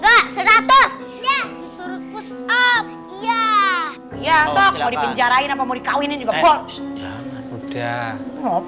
iya sok mau dipinjarain apa mau dikawinin juga pol